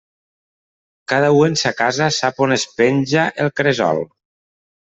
Cada u en sa casa sap on es penja el cresol.